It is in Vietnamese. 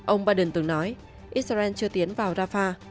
ông biden từng nói israel chưa tiến vào rafah